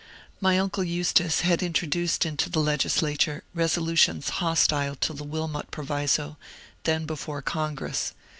My unde Eustace had intro duced into the Legislature resolutions hostile to the ^^ Wilmot Proviso/' then before Congress.